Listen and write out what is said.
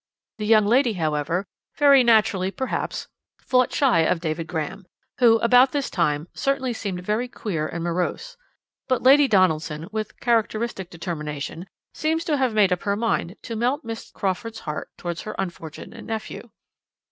The young lady, however very naturally, perhaps fought shy of David Graham, who, about this time, certainly seemed very queer and morose, but Lady Donaldson, with characteristic determination, seems to have made up her mind to melt Miss Crawford's heart towards her unfortunate nephew.